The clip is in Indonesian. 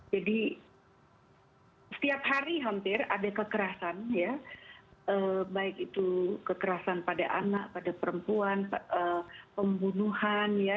jadi setiap hari hampir ada kekerasan ya baik itu kekerasan pada anak pada perempuan pembunuhan ya